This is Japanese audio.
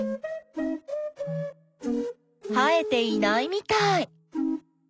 生えていないみたい。